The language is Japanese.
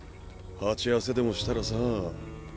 鉢合わせでもしたらさぁ。